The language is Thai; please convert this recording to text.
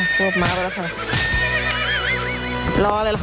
รออะไรเหรอ